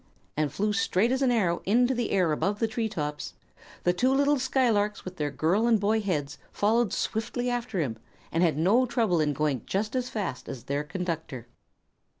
and flew straight as an arrow into the air above the tree tops, the two little skylarks with their girl and boy heads followed swiftly after him, and had no trouble in going just as fast as their conductor.